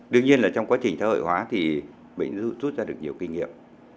đương nhiên là trong quá trình xã hội hóa thì bệnh dụng rút ra được nhiều kinh nghiệm